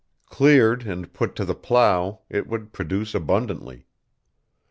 Cleared and put to the plow, it would produce abundantly.